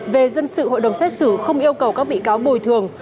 về dân sự hội đồng xét xử không yêu cầu các bị cáo bồi thường